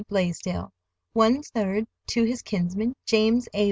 Blaisdell; one third to his kinsman, James A.